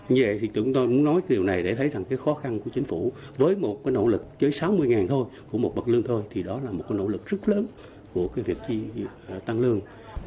như vậy thì chúng tôi muốn nói điều này để thấy rằng cái khó khăn của chính phủ với một cái nỗ lực dưới sáu mươi thôi của một bậc lương thôi thì đó là một cái nỗ lực rất lớn của cái việc thi tăng lương